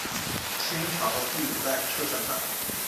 清朝第五代车臣汗。